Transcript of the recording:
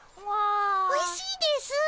おいしいですぅ。